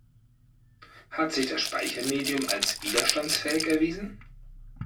Hat sich das Speichermedium als widerstandsfähig erwiesen?